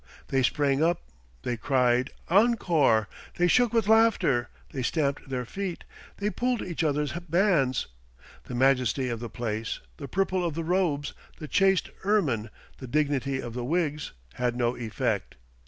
They sprang up; they cried, "Encore;" they shook with laughter; they stamped their feet; they pulled each other's bands. The majesty of the place, the purple of the robes, the chaste ermine, the dignity of the wigs, had no effect.